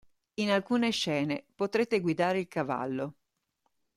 In alcune scene potrete guidare il cavallo.